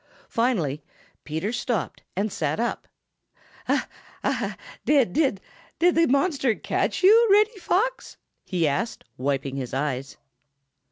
Finally Peter stopped and sat up. "Did did the monster catch you, Reddy Fox?" he asked, wiping his eyes.